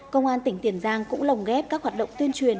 công an tỉnh tiền giang cũng lồng ghép các hoạt động tuyên truyền